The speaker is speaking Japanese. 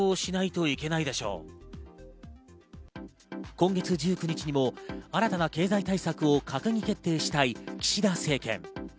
今月１９日にも新たな経済対策を閣議決定したい岸田政権。